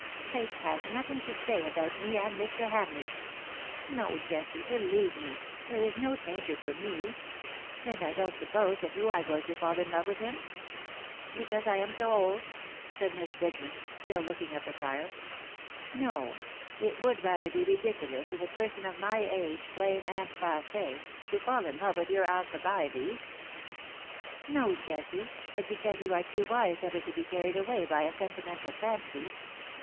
^^ Fate has had nothing to say about me and Mr. Hamleigh. No, Jessie, believe me, there is no danger for me — and I don^t suppose that you are going to fall in love with him ?"" Because I am so old ?" said Miss Bridgeman, still looking at the fire ;" no, it would be rather VOL. I. F 66 BUT THEM CAME ONE, ridiculous in a person of my age_, plain and passee, to fall in love with your Alcibiades/^ " No^ Jessie, but because you are too wise ever to be carried away by a sentimental fancy.